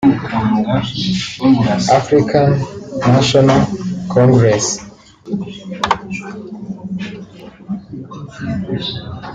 African National Congress